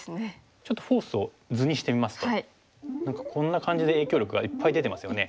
ちょっとフォースを図にしてみますと何かこんな感じで影響力がいっぱい出てますよね。